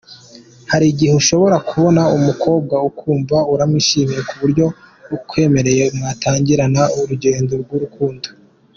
Hari igihe ushobora kubona umukobwa ukumva uramwishimiye ku buryo akwemereye, mwatangirana urugendo rw’urukundo.